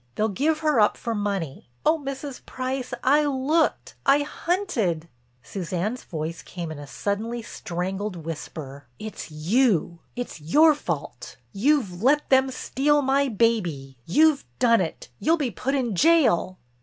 They'll give her up for money—Oh, Mrs. Price, I looked—I hunted—" Suzanne's voice came in a suddenly strangled whisper: "It's you—It's your fault! You've let them steal my baby. You've done it! You'll be put in jail."